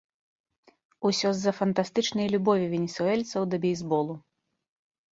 Усё з-за фантастычнай любові венесуэльцаў да бейсболу.